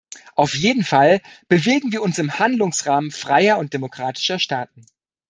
Auf jeden Fall bewegen wir uns im Handlungsrahmen freier und demokratischer Staaten.